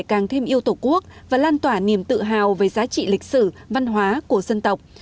càng thêm yêu tổ quốc và lan tỏa niềm tự hào về giá trị lịch sử văn hóa của dân tộc